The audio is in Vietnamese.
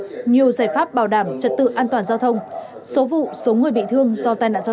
nhiều giải pháp bảo đảm trật tự an toàn giao thông số vụ số người bị thương do tai nạn giao